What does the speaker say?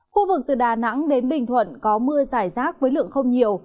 khu vực từ đà nẵng đến bình thuận có mưa giải rác với lượng không nhiều